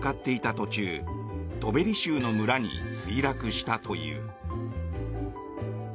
途中トベリ州の村に墜落したという。